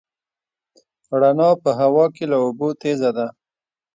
رڼا په هوا کې له اوبو تېزه ده.